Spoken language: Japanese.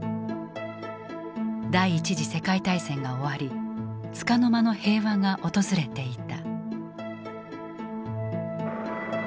第一次世界大戦が終わりつかの間の平和が訪れていた。